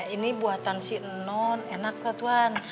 ini buatan si non enak lah tuhan